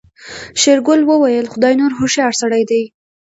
شېرګل وويل خداينور هوښيار سړی دی.